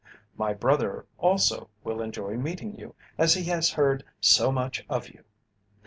My brother also will enjoy meeting you as he has heard so much of you.